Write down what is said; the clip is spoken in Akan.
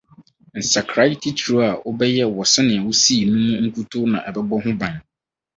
Nsakrae titiriw a wɔbɛyɛ wɔ sɛnea wosii no mu nkutoo na ɛbɛbɔ ho ban.